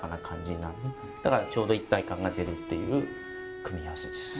だからちょうど一体感が出るっていう組み合わせです。